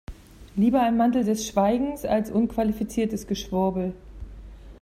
Lieber ein Mantel des Schweigens als unqualifiziertes Geschwurbel.